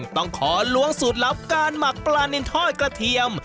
ต้องขอล้วงสูตรลับการหมักปลานินทอดกระเทียม